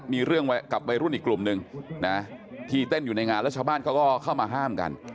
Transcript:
มีเรื่องกลับไปรุ่นอีกกลุ่มนึงนะฮะที่เต้นอยู่ในงานราชบ้านก็เข้ามาห้ามกัน